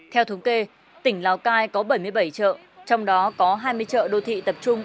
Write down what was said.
theo thống kê tỉnh lào cai có bảy mươi bảy chợ trong đó có hai mươi chợ đô thị tập trung